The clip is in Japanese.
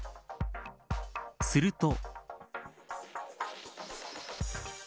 すると。